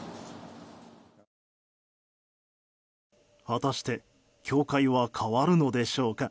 果たして教会は変わるのでしょうか。